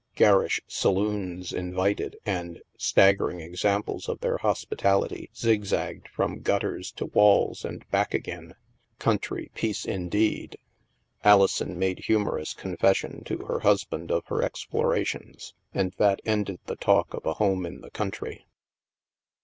Garish saloons in vited, and staggering examples of their hospitality zigzagged from gutters to walls and back again. Country peace, indeed! Alison made humorous confession to her husband of her explorations. And that ended the talk of a home in the country.